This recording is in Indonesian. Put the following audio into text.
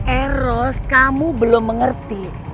eh ros kamu belum mengerti